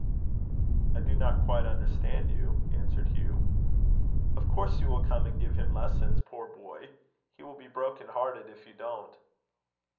"I do not quite understand you," answered Hugh. "Of course you will come and give him lessons, poor boy. He will be broken hearted if you don't."